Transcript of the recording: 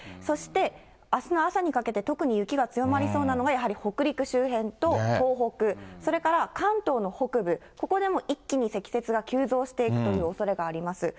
そして、あすの朝にかけて、特に雪が強まりそうなのが、やはり北陸周辺と東北、それから関東の北部、ここでも一気に積雪が急増していくというおそれがあります。